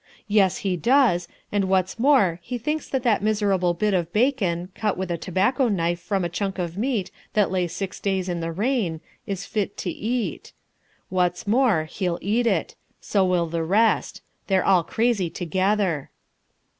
Yes, he does, and what's more he thinks that that miserable bit of bacon, cut with a tobacco knife from a chunk of meat that lay six days in the rain, is fit to eat. What's more, he'll eat it. So will the rest. They're all crazy together.